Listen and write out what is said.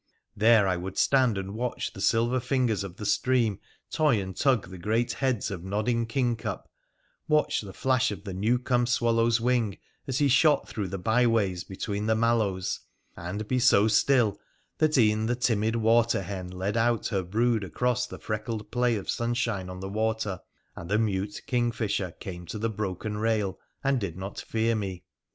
There I would stand and watch the silver fingers of the stream toy and tug the great heads of nodding kingcup, watch the flash of the new come swallow's wing, as he shot through the byways between the mallows, and be so still that e'en the timid water hen led out her brood across the freckled play of sunshine on the water, and the mute kingfisher came to the broken rail and did not fear me.